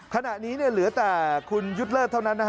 ขณะนี้เหลือแต่คุณยุทธ์เลิศเท่านั้น